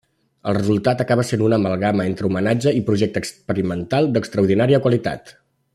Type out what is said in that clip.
El resultat acaba sent una amalgama entre homenatge i projecte experimental d'extraordinària qualitat.